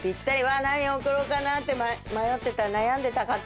わあ何を贈ろうかなって迷ってた悩んでた方。